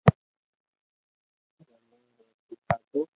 رمئين روٽي کاتو